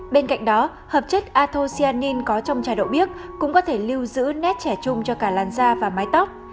bên cạnh đó hợp chất atocianin có trong trà đậu biếc cũng có thể lưu giữ nét trẻ trung cho cả làn da và mái tóc